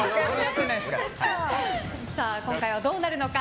今回はどうなるのか。